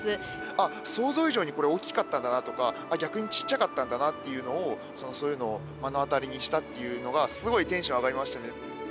あっ想像以上にこれ大きかったんだなとか逆にちっちゃかったんだなっていうのをそういうのを目の当たりにしたっていうのがすごいテンション上がりましたね。